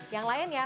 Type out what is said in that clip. yang lain ya